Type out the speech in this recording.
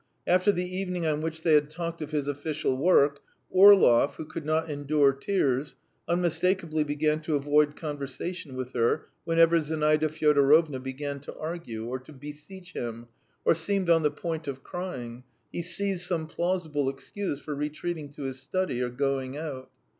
After the evening on which they had talked of his official work, Orlov, who could not endure tears, unmistakably began to avoid conversation with her; whenever Zinaida Fyodorovna began to argue, or to beseech him, or seemed on the point of crying, he seized some plausible excuse for retreating to his study or going out.